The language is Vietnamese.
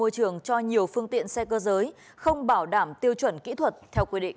phương tiện cho nhiều phương tiện xe cơ giới không bảo đảm tiêu chuẩn kỹ thuật theo quy định